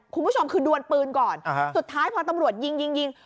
คุณผู้ชมคือดวนปืนก่อนสุดท้ายพอตำรวจยิงยิง